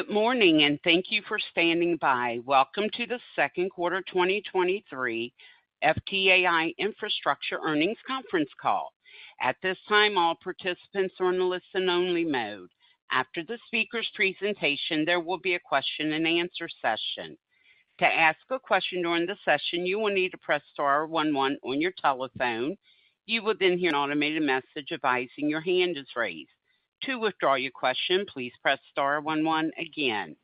Good morning, and thank you for standing by. Welcome to the second quarter 2023 FTAI Infrastructure Earnings Conference Call. At this time, all participants are in listen-only mode. After the speaker's presentation, there will be a question-and-answer session. To ask a question during the session, you will need to press star one one on your telephone. You will then hear an automated message advising your hand is raised. To withdraw your question, please press star one one again.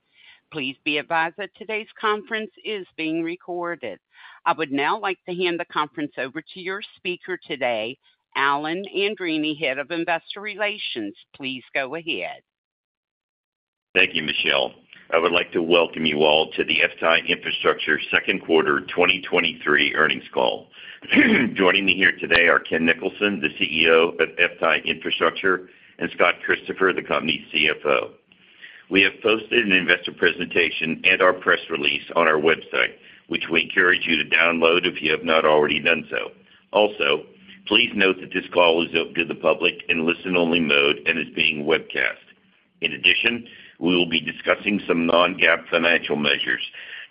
Please be advised that today's conference is being recorded. I would now like to hand the conference over to your speaker today, Alan Andreini, Head of Investor Relations. Please go ahead. Thank you, Michelle. I would like to welcome you all to the FTAI Infrastructure 2nd quarter 2023 earnings call. Joining me here today are Ken Nicholson, the CEO of FTAI Infrastructure, and Scott Christopher, the company's CFO. We have posted an investor presentation and our press release on our website, which we encourage you to download if you have not already done so. Please note that this call is open to the public in listen-only mode and is being webcast. In addition, we will be discussing some non-GAAP financial measures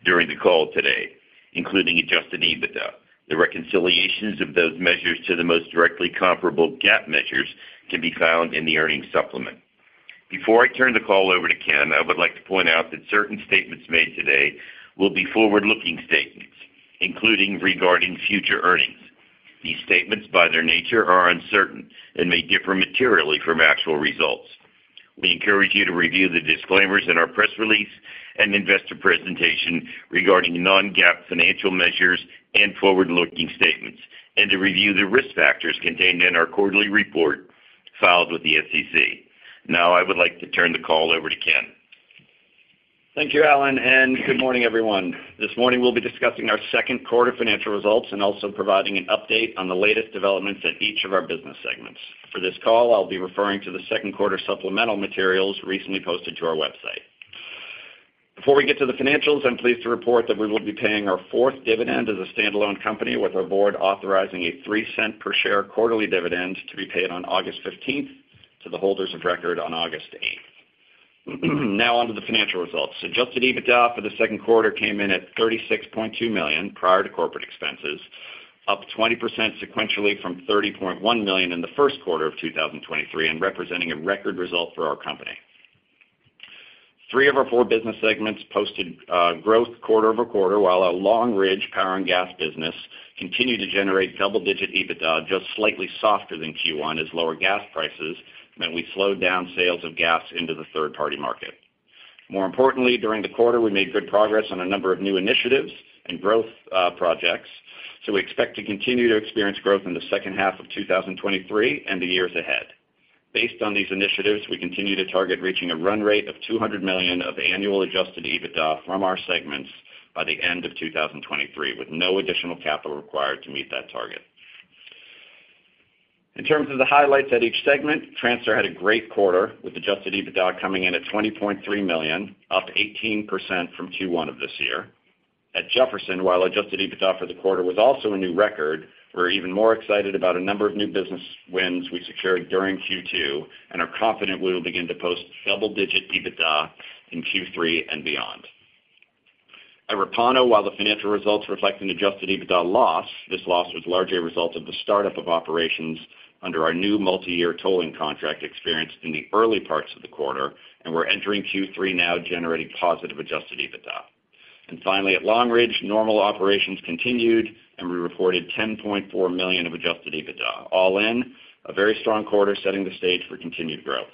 during the call today, including Adjusted EBITDA. The reconciliations of those measures to the most directly comparable GAAP measures can be found in the earnings supplement. Before I turn the call over to Ken, I would like to point out that certain statements made today will be forward-looking statements, including regarding future earnings. These statements, by their nature, are uncertain and may differ materially from actual results. We encourage you to review the disclaimers in our press release and investor presentation regarding non-GAAP financial measures and forward-looking statements, and to review the risk factors contained in our quarterly report filed with the SEC. I would like to turn the call over to Ken. Thank you, Alan, and good morning, everyone. This morning, we'll be discussing our second quarter financial results and also providing an update on the latest developments at each of our business segments. For this call, I'll be referring to the second quarter supplemental materials recently posted to our website. Before we get to the financials, I'm pleased to report that we will be paying our fourth dividend as a standalone company, with our board authorizing a $0.03 per share quarterly dividend to be paid on August 15th to the holders of record on August 8th. On to the financial results. Adjusted EBITDA for the second quarter came in at $36.2 million prior to corporate expenses, up 20% sequentially from $30.1 million in the first quarter of 2023, and representing a record result for our company. Three of our four business segments posted growth quarter-over-quarter, while our Long Ridge Power and Gas business continued to generate double-digit EBITDA, just slightly softer than Q1, as lower gas prices meant we slowed down sales of gas into the third-party market. More importantly, during the quarter, we made good progress on a number of new initiatives and growth projects. We expect to continue to experience growth in the second half of 2023 and the years ahead. Based on these initiatives, we continue to target reaching a run rate of $200 million of annual Adjusted EBITDA from our segments by the end of 2023, with no additional capital required to meet that target. In terms of the highlights at each segment, Transtar had a great quarter, with Adjusted EBITDA coming in at $20.3 million, up 18% from Q1 of this year. At Jefferson, while Adjusted EBITDA for the quarter was also a new record, we're even more excited about a number of new business wins we secured during Q2 and are confident we will begin to post double-digit EBITDA in Q3 and beyond. At Repauno, while the financial results reflect an Adjusted EBITDA loss, this loss was largely a result of the startup of operations under our new multiyear tolling contract experienced in the early parts of the quarter. We're entering Q3 now generating positive Adjusted EBITDA. Finally, at Long Ridge, normal operations continued, and we reported $10.4 million of Adjusted EBITDA. All in, a very strong quarter, setting the stage for continued growth.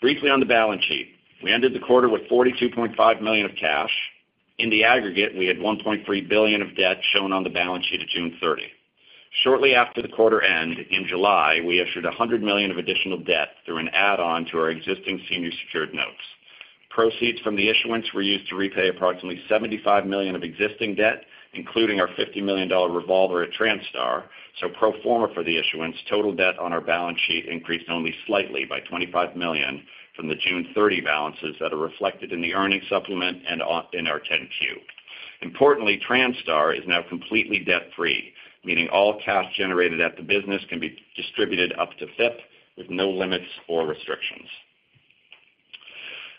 Briefly on the balance sheet. We ended the quarter with $42.5 million of cash. In the aggregate, we had $1.3 billion of debt shown on the balance sheet of June 30. Shortly after the quarter end, in July, we issued $100 million of additional debt through an add-on to our existing senior secured notes. Proceeds from the issuance were used to repay approximately $75 million of existing debt, including our $50 million revolver at Transtar. Pro forma for the issuance, total debt on our balance sheet increased only slightly by $25 million from the June 30 balances that are reflected in the earnings supplement and in our 10-Q. Importantly, Transtar is now completely debt-free, meaning all cash generated at the business can be distributed up to FIP with no limits or restrictions.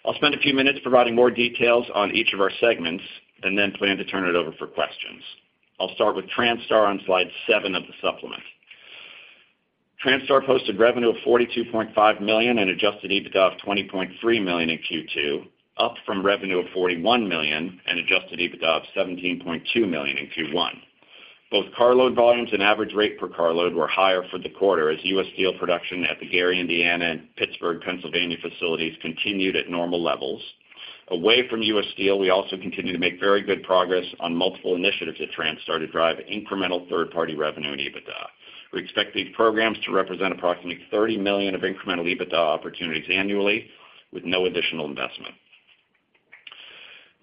I'll spend a few minutes providing more details on each of our segments and then plan to turn it over for questions. I'll start with Transtar on Slide 7 of the supplement. Transtar posted revenue of $42.5 million and Adjusted EBITDA of $20.3 million in Q2, up from revenue of $41 million and Adjusted EBITDA of $17.2 million in Q1. Both carload volumes and average rate per carload were higher for the quarter, as U.S. Steel production at the Gary, Indiana, and Pittsburgh, Pennsylvania, facilities continued at normal levels. Away from U.S. Steel, we also continued to make very good progress on multiple initiatives at Transtar to drive incremental third-party revenue and EBITDA. We expect these programs to represent approximately $30 million of incremental EBITDA opportunities annually with no additional investment.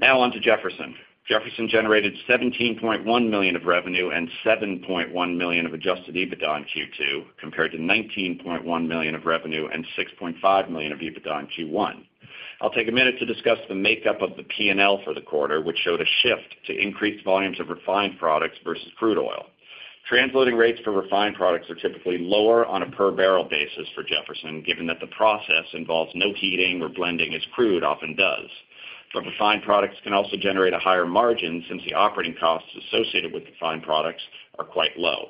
On to Jefferson. Jefferson generated $17.1 million of revenue and $7.1 million of Adjusted EBITDA in Q2, compared to $19.1 million of revenue and $6.5 million of EBITDA in Q1. I'll take a minute to discuss the makeup of the P&L for the quarter, which showed a shift to increased volumes of refined products versus crude oil. Transloading rates for refined products are typically lower on a per barrel basis for Jefferson, given that the process involves no heating or blending as crude often does. Refined products can also generate a higher margin since the operating costs associated with refined products are quite low.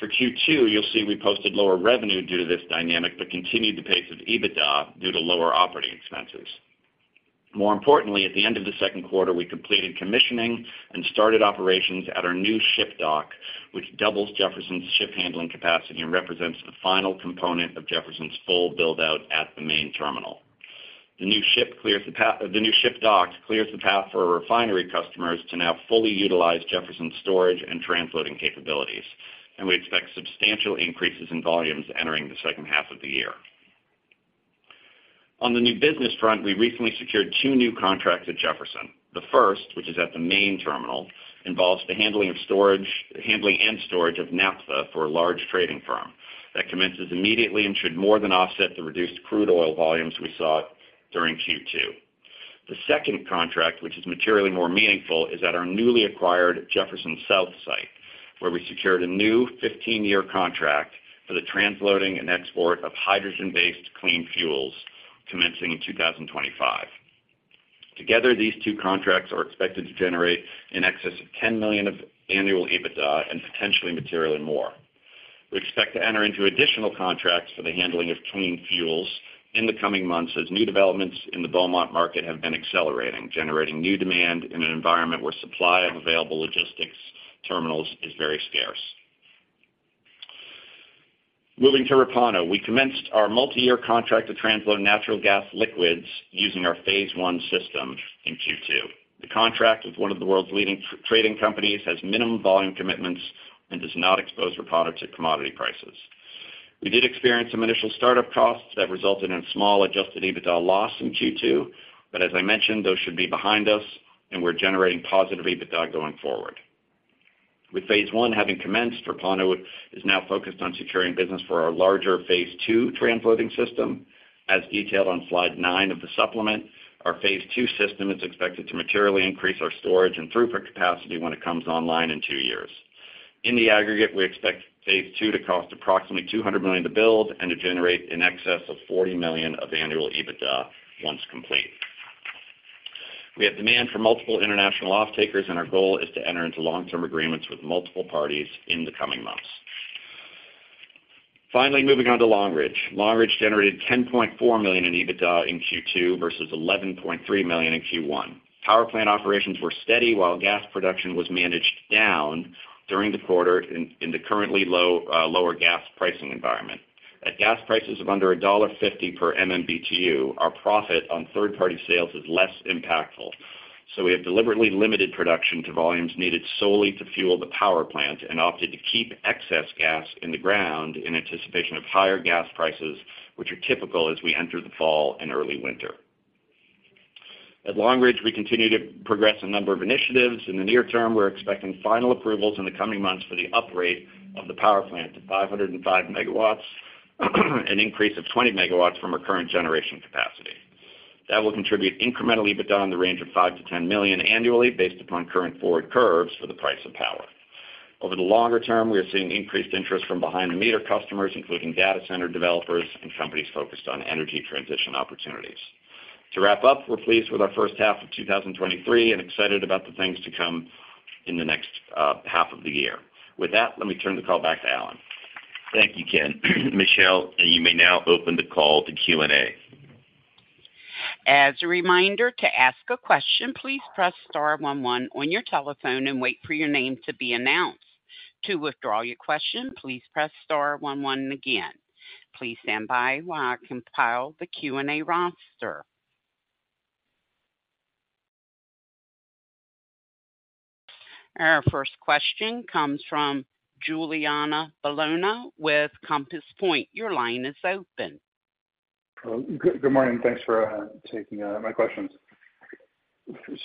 For Q2, you'll see we posted lower revenue due to this dynamic, but continued the pace of EBITDA due to lower operating expenses. At the end of the second quarter, we completed commissioning and started operations at our new ship dock, which doubles Jefferson's ship handling capacity and represents the final component of Jefferson's full build-out at the main terminal. The new ship dock clears the path for our refinery customers to now fully utilize Jefferson's storage and transloading capabilities. We expect substantial increases in volumes entering the second half of the year. On the new business front, we recently secured two new contracts at Jefferson. The first, which is at the main terminal, involves the handling of storage, handling and storage of naphtha for a large trading firm. That commences immediately and should more than offset the reduced crude oil volumes we saw during Q2. The second contract, which is materially more meaningful, is at our newly acquired Jefferson South site, where we secured a new 15-year contract for the transloading and export of hydrogen-based clean fuels commencing in 2025. Together, these two contracts are expected to generate in excess of $10 million of annual EBITDA and potentially materially more. We expect to enter into additional contracts for the handling of clean fuels in the coming months, as new developments in the Beaumont market have been accelerating, generating new demand in an environment where supply of available logistics terminals is very scarce. Moving to Repauno, we commenced our multiyear contract to transload natural gas liquids using our Phase I system in Q2. The contract with one of the world's leading trading companies, has minimum volume commitments and does not expose Repauno to commodity prices. We did experience some initial startup costs that resulted in small Adjusted EBITDA loss in Q2, but as I mentioned, those should be behind us, and we're generating positive EBITDA going forward. With Phase I having commenced, Repauno is now focused on securing business for our larger Phase II transloading system. As detailed on Slide 9 of the supplement, our Phase II system is expected to materially increase our storage and throughput capacity when it comes online in two years. In the aggregate, we expect Phase II to cost approximately $200 million to build and to generate in excess of $40 million of annual EBITDA once complete. We have demand for multiple international off-takers, and our goal is to enter into long-term agreements with multiple parties in the coming months. Finally, moving on to Long Ridge. Long Ridge generated $10.4 million in EBITDA in Q2 versus $11.3 million in Q1. Power plant operations were steady, while gas production was managed down during the quarter in the currently low, lower gas pricing environment. At gas prices of under $1.50 per MMBtu, our profit on third-party sales is less impactful, so we have deliberately limited production to volumes needed solely to fuel the power plant and opted to keep excess gas in the ground in anticipation of higher gas prices, which are typical as we enter the fall and early winter. At Long Ridge, we continue to progress a number of initiatives. In the near term, we're expecting final approvals in the coming months for the upgrade of the power plant to 505 MW, an increase of 20 MW from our current generation capacity. That will contribute incremental EBITDA in the range of $5 million-$10 million annually, based upon current forward curves for the price of power. Over the longer term, we are seeing increased interest from behind-the-meter customers, including data center developers and companies focused on energy transition opportunities. To wrap up, we're pleased with our first half of 2023 and excited about the things to come in the next half of the year. With that, let me turn the call back to Alan. Thank you, Ken. Michelle, you may now open the call to Q&A. As a reminder, to ask a question, please press star one one on your telephone and wait for your name to be announced. To withdraw your question, please press star one one again. Please stand by while I compile the Q&A roster. Our first question comes from Giuliano Bologna with Compass Point. Your line is open. Good morning. Thanks for taking my questions.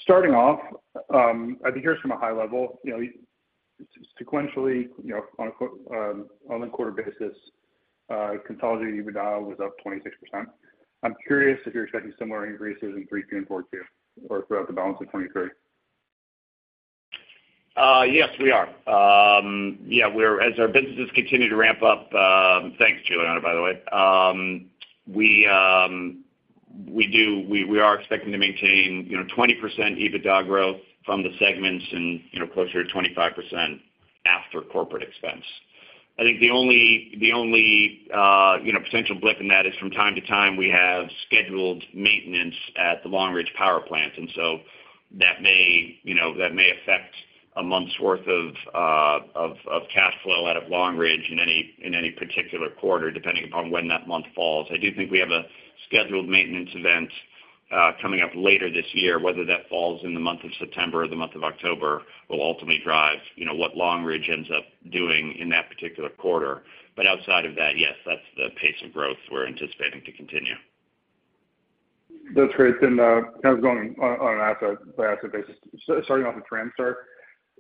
Starting off, I think just from a high level, you know, sequentially, you know, on a quarter basis, consolidated EBITDA was up 26%. I'm curious if you're expecting similar increases in 3Q and 4Q or throughout the balance of 2023? Yes, we are. Yeah, as our businesses continue to ramp up. Thanks, Giuliano, by the way. We are expecting to maintain, you know, 20% EBITDA growth from the segments and, you know, closer to 25% after corporate expense. I think the only, the only, you know, potential blip in that is from time to time, we have scheduled maintenance at the Long Ridge Power Plant. That may, you know, that may affect a month's worth of cash flow out of Long Ridge in any particular quarter, depending upon when that month falls. I do think we have a scheduled maintenance event coming up later this year. Whether that falls in the month of September or the month of October will ultimately drive, you know, what Long Ridge ends up doing in that particular quarter. Outside of that, yes, that's the pace of growth we're anticipating to continue. That's great. Kind of going on an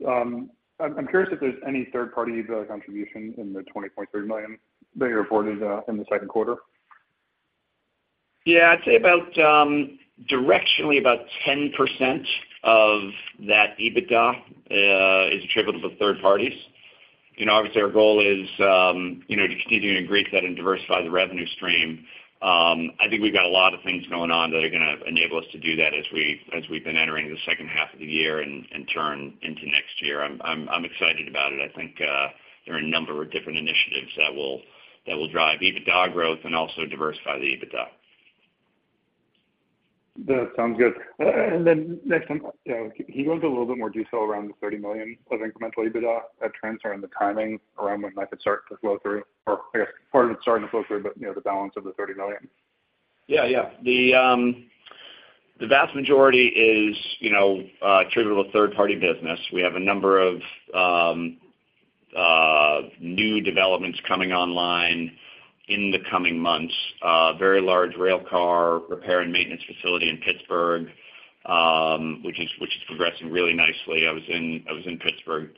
asset-by-asset basis, starting off with Transtar. I'm curious if there's any third-party EBITDA contribution in the $20.3 million that you reported in the second quarter? Yeah, I'd say about directionally, about 10% of that EBITDA is attributable to third parties. You know, obviously, our goal is, you know, to continue to increase that and diversify the revenue stream. I think we've got a lot of things going on that are gonna enable us to do that as we've been entering the second half of the year and turn into next year. I'm excited about it. I think there are a number of different initiatives that will drive EBITDA growth and also diversify the EBITDA. That sounds good. Next time, you know, can you go into a little bit more detail around the $30 million of incremental EBITDA at Transtar and the timing around when it might start to flow through, or I guess part of it starting to flow through, but, you know, the balance of the $30 million? Yeah, yeah. The vast majority is, you know, attributable to third-party business. We have a number of new developments coming online in the coming months. Very large rail car repair and maintenance facility in Pittsburgh, which is progressing really nicely. I was in Pittsburgh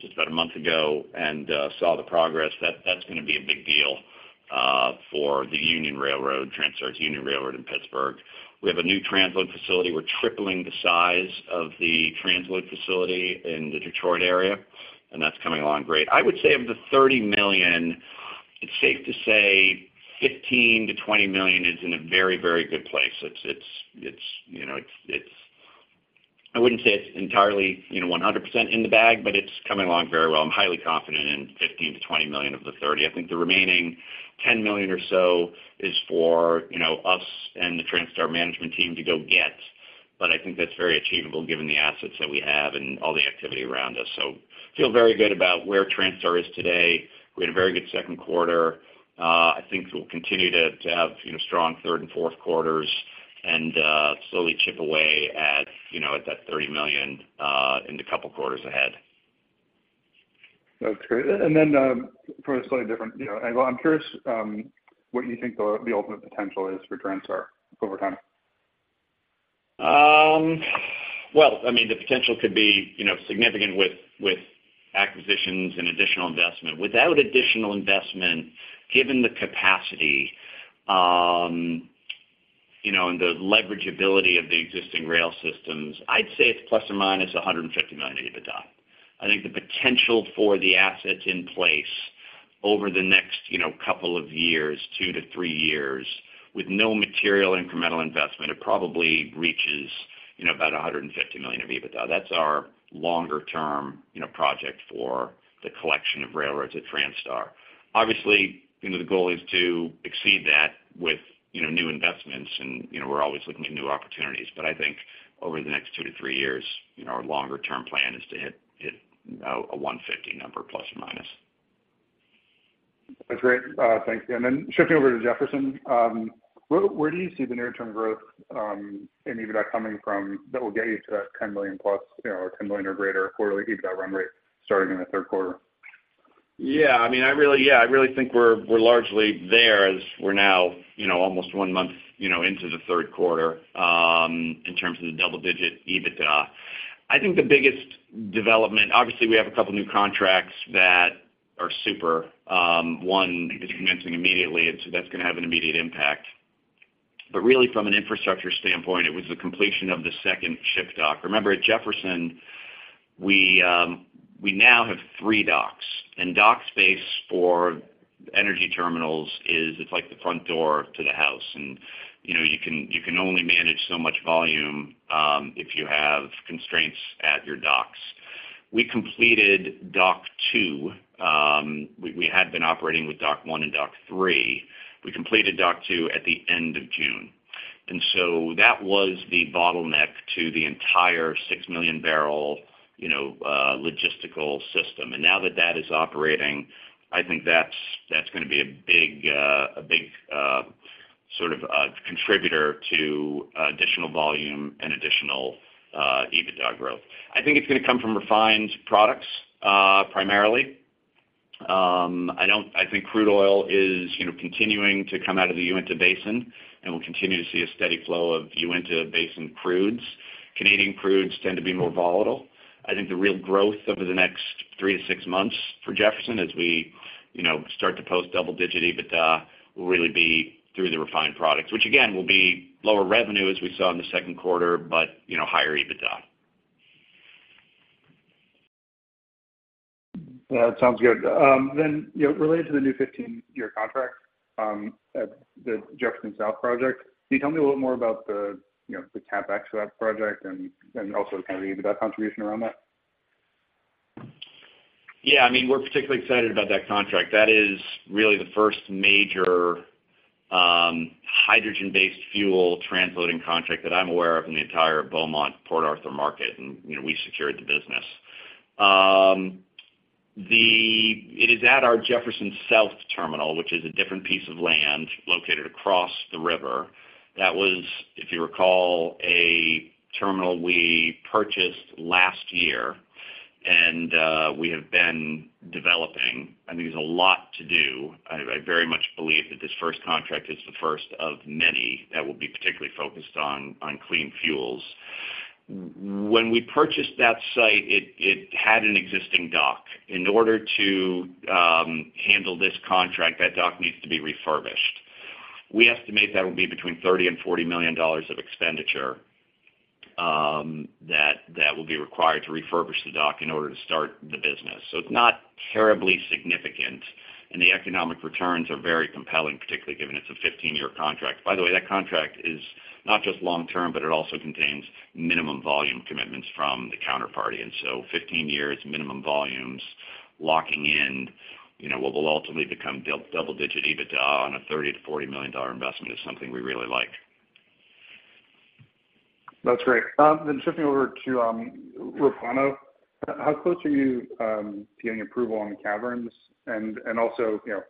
just about a month ago and saw the progress. That's gonna be a big deal for the Union Railroad, Transtar's Union Railroad in Pittsburgh. We have a new transload facility. We're tripling the size of the transload facility in the Detroit area, that's coming along great. I would say of the $30 million, it's safe to say $15 million-$20 million is in a very, very good place. It's, you know, I wouldn't say it's entirely, you know, 100% in the bag, but it's coming along very well. I'm highly confident in $15 million-$20 million of the $30 million. I think the remaining $10 million or so is for, you know, us and the Transtar management team to go get. I think that's very achievable given the assets that we have and all the activity around us. Feel very good about where Transtar is today. We had a very good second quarter. I think we'll continue to have, you know, strong third and fourth quarters and slowly chip away at, you know, that $30 million in the couple quarters ahead. That's great. For a slightly different, you know, I'm curious, what you think the ultimate potential is for Transtar over time? Well, I mean, the potential could be, you know, significant with acquisitions and additional investment. Without additional investment, given the capacity, you know, and the leverageability of the existing rail systems, I'd say it's ±$150 million EBITDA. I think the potential for the assets in place over the next, you know, couple of years, two to three years, with no material incremental investment, it probably reaches, you know, about $150 million of EBITDA. That's our longer-term, you know, project for the collection of railroads at Transtar. Obviously, you know, the goal is to exceed that with, you know, new investments and, you know, we're always looking at new opportunities. I think over the next two to three years, you know, our longer-term plan is to hit a 150 number, ±. That's great. Thank you. Shifting over to Jefferson, where do you see the near-term growth in EBITDA coming from, that will get you to that $10 million+ you know, or $10 million or greater quarterly EBITDA run rate starting in the third quarter? I really think we're largely there as we're now, you know, almost one month, you know, into the third quarter, in terms of the double-digit EBITDA. I think the biggest development. Obviously, we have a couple of new contracts that are super. One is commencing immediately, that's gonna have an immediate impact. Really, from an infrastructure standpoint, it was the completion of the second ship dock. Remember, at Jefferson, we now have three docks, dock space for energy terminals is, it's like the front door to the house. You know, you can only manage so much volume, if you have constraints at your docks. We completed dock two. We had been operating with dock one and dock three. We completed dock two at the end of June, and so that was the bottleneck to the entire 6 million bbl, you know, logistical system. Now that that is operating, I think that's gonna be a big, sort of, contributor to additional volume and additional EBITDA growth. I think it's gonna come from refined products, primarily. I think crude oil is, you know, continuing to come out of the Uinta Basin, and we'll continue to see a steady flow of Uinta Basin crudes. Canadian crudes tend to be more volatile. I think the real growth over the next three to six months for Jefferson, as we, you know, start to post double-digit EBITDA, will really be through the refined products, which again, will be lower revenue as we saw in the second quarter, but, you know, higher EBITDA. Yeah, that sounds good. You know, related to the new 15-year contract, at the Jefferson South project, can you tell me a little more about the, you know, the CapEx for that project and also kind of the EBITDA contribution around that? I mean, we're particularly excited about that contract. That is really the first major hydrogen-based fuel transloading contract that I'm aware of in the entire Beaumont, Port Arthur market, and, you know, we secured the business. It is at our Jefferson South terminal, which is a different piece of land located across the river. That was, if you recall, a terminal we purchased last year, and we have been developing, and there's a lot to do. I very much believe that this first contract is the first of many that will be particularly focused on clean fuels. When we purchased that site, it had an existing dock. In order to handle this contract, that dock needs to be refurbished. We estimate that will be between $30 million and $40 million of expenditure, that will be required to refurbish the dock in order to start the business. It's not terribly significant, and the economic returns are very compelling, particularly given it's a 15-year contract. By the way, that contract is not just long term, but it also contains minimum volume commitments from the counterparty, 15 years, minimum volumes, locking in, you know, what will ultimately become double-digit EBITDA on a $30 million to $40 million investment is something we really like. That's great. Shifting over to Repauno. How close are you to getting approval on the caverns? Also, you know,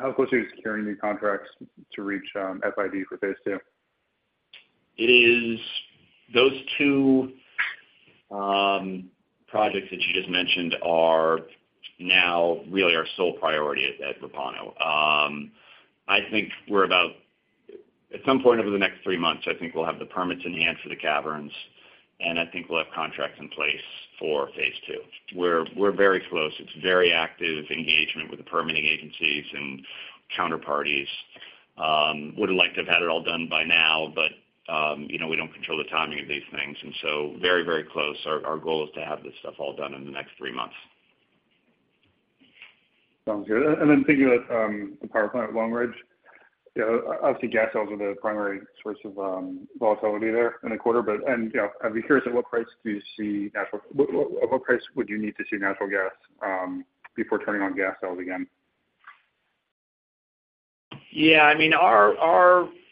how close are you to securing new contracts to reach FID for Phase II? Those two projects that you just mentioned are now really our sole priority at Repauno. At some point over the next three months, I think we'll have the permits in hand for the caverns, and I think we'll have contracts in place for Phase II. We're very close. It's very active engagement with the permitting agencies and counterparties. Would've liked to have had it all done by now, but, you know, we don't control the timing of these things, very close. Our goal is to have this stuff all done in the next three months. Sounds good. Then thinking about the power plant at Long Ridge, you know, obviously, gas sales are the primary source of volatility there in the quarter, and, you know, I'd be curious, at what price do you see what price would you need to see natural gas before turning on gas sales again? Yeah, I mean, our,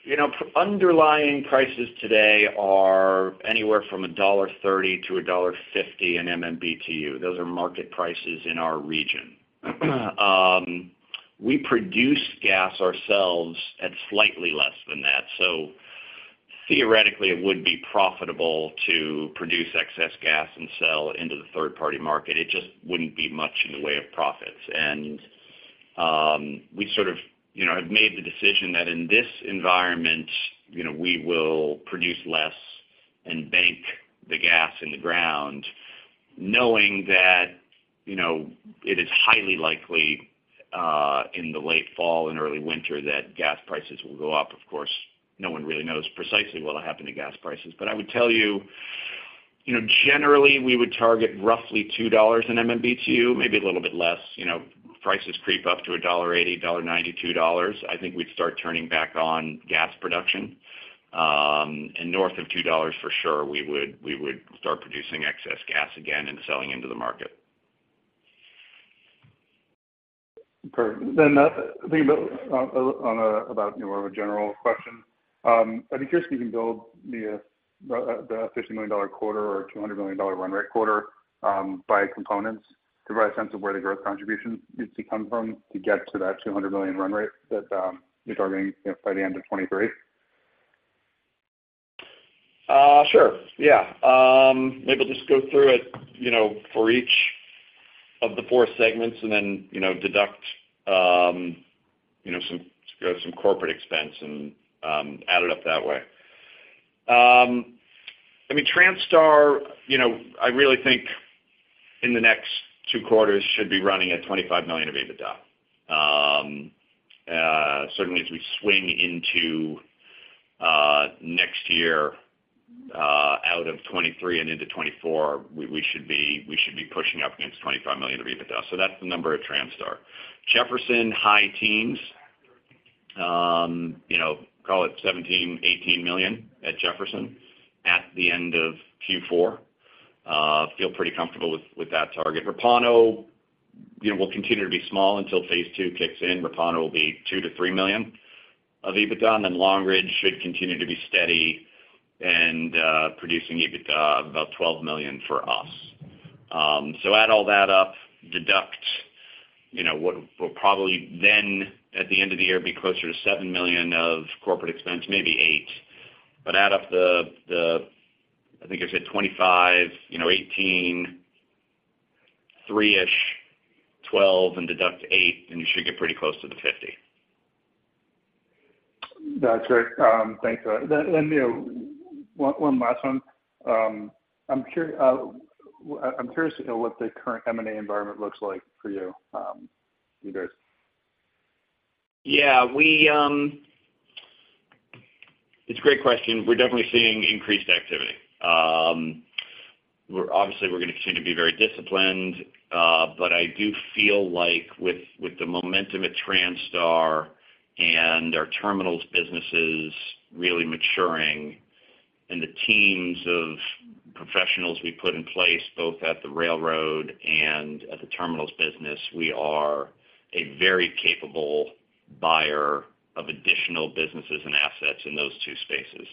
you know, underlying prices today are anywhere from $1.30-$1.50 in MMBtu. Those are market prices in our region. We produce gas ourselves at slightly less than that. Theoretically, it would be profitable to produce excess gas and sell into the third-party market. It just wouldn't be much in the way of profits. We sort of, you know, have made the decision that in this environment, you know, we will produce less and bank the gas in the ground, knowing that, you know, it is highly likely in the late fall and early winter, that gas prices will go up. Of course, no one really knows precisely what will happen to gas prices. I would tell you know, generally, we would target roughly $2 in MMBtu, maybe a little bit less. You know, prices creep up to $1.80, $1.90, $2, I think we'd start turning back on gas production. North of $2, for sure, we would start producing excess gas again and selling into the market. Perfect. Thinking about more of a general question, I'd be curious if you can build the $50 million quarter or $200 million run rate quarter by components to provide a sense of where the growth contribution needs to come from to get to that $200 million run rate that you're targeting, you know, by the end of 2023? Sure. Yeah. Maybe I'll just go through it, you know, for each of the four segments and then, you know, deduct some corporate expense and add it up that way. I mean, Transtar, you know, I really think in the next two quarters, should be running at $25 million of EBITDA. Certainly as we swing into next year, out of 2023 and into 2024, we should be pushing up against $25 million of EBITDA. That's the number at Transtar. Jefferson, high teens. You know, call it $17 million-$18 million at Jefferson at the end of Q4. Feel pretty comfortable with that target. Repauno, you know, will continue to be small until Phase II kicks in. Repauno will be $2 million-$3 million of EBITDA, and Long Ridge should continue to be steady and producing EBITDA of about $12 million for us. Add all that up, deduct, you know, what will probably then, at the end of the year, be closer to $7 million of corporate expense, maybe $8. Add up the, I think I said 25, you know, 18, three-ish, 12, and deduct $8, and you should get pretty close to the 50. That's great. Thanks for that. You know, one last one. I'm curious to know what the current M&A environment looks like for you guys. Yeah, we. It's a great question. We're definitely seeing increased activity. Obviously, we're going to continue to be very disciplined, but I do feel like with the momentum at Transtar and our terminals businesses really maturing and the teams of professionals we put in place, both at the railroad and at the terminals business, we are a very capable buyer of additional businesses and assets in those two spaces.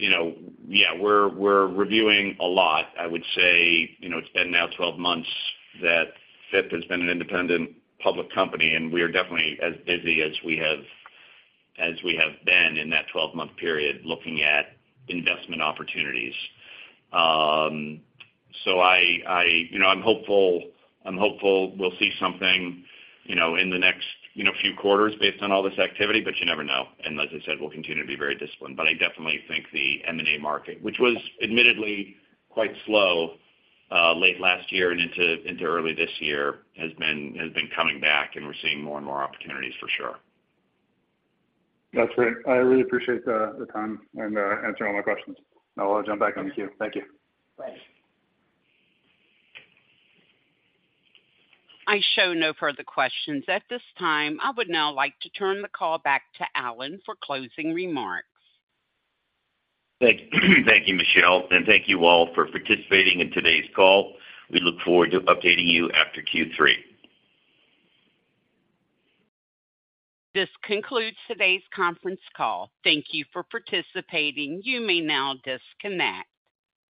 You know, yeah, we're reviewing a lot. I would say, you know, it's been now 12 months that FIP has been an independent public company, we are definitely as busy as we have been in that 12-month period looking at investment opportunities. I. You know, I'm hopeful we'll see something, you know, in the next, you know, few quarters based on all this activity, but you never know. As I said, we'll continue to be very disciplined. I definitely think the M&A market, which was admittedly quite slow, late last year and into early this year, has been coming back, and we're seeing more and more opportunities for sure. That's great. I really appreciate the time and answering all my questions. I'll jump back on the queue. Thank you. Thanks. I show no further questions. At this time, I would now like to turn the call back to Alan for closing remarks. Thank you. Thank you, Michelle, and thank you all for participating in today's call. We look forward to updating you after Q3. This concludes today's conference call. Thank you for participating. You may now disconnect.